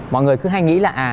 mọi người cứ hay nghĩ là